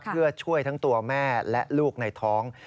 เพื่อช่วยทั้งตัวแม่และลูกในท้อง